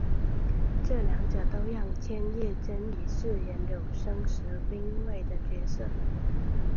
这两者都让千叶真一饰演柳生十兵卫的角色。